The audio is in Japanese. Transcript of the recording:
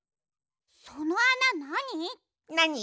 そのあななに？